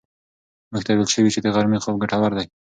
موږ ته ویل شوي چې د غرمې خوب ګټور دی.